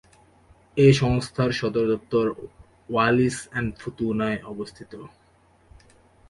এই সংস্থার সদর দপ্তর ওয়ালিস অ্যান্ড ফুতুনায় অবস্থিত।